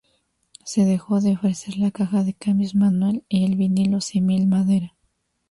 Se dejó de ofrecer la caja de cambios manual y el vinilo símil madera.